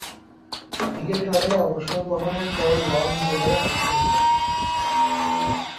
Cricket খেলা থেকে অবসর গ্রহণের পর লন বোলে অংশ নিতেন।